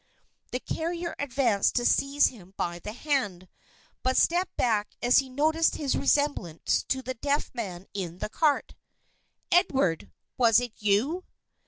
The carrier advanced to seize him by the hand, but stepped back as he noticed his resemblance to the deaf man in the cart. "Edward! Was it you?"